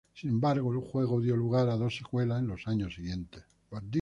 Sin embargo, el juego dio lugar a dos secuelas en los años siguientes.